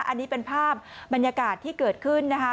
อันนี้เป็นภาพบรรยากาศที่เกิดขึ้นนะคะ